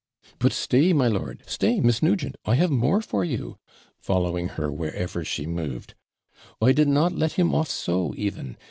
'But stay, my lord stay, Miss Nugent I have more for you,' following her wherever she moved. 'I did not let him off so, even.